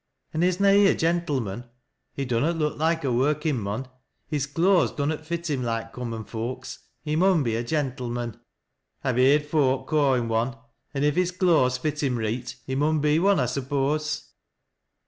" An' is na he a gentleman ? He dunnot look loike a workin' mon. His cloas dunnot fit him loike common foakes. He mun be a gentleman." " I've heerd foak ca' him one ; an' if his cloas fit him reet, he mun be one, I suppose."